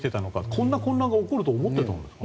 こんな混乱が起こると思っていたんですか？